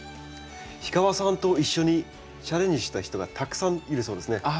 氷川さんと一緒にチャレンジした人がたくさんいるそうですね。